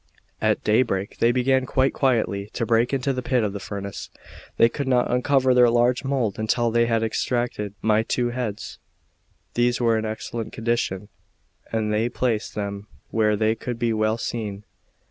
At daybreak they began, quite quietly, to break into the pit of the furnace. They could not uncover their large mould until they had extracted my two heads; these were in excellent condition, and they placed them where they could be well seen.